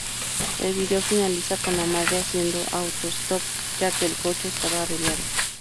El vídeo finaliza con la madre haciendo autostop ya que el coche estaba averiado.